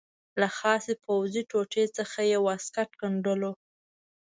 له خاصې پوځي ټوټې څخه یې واسکټ ګنډلو.